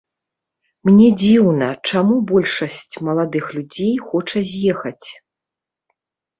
Мне дзіўна, чаму большасць маладых людзей хоча з'ехаць.